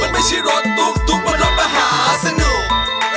มันไม่ใช่รถตุ๊กบนรถมหาสนุก